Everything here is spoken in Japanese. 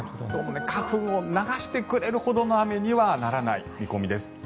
花粉を流してくれるほどの雨にはならない見込みです。